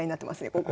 ここ。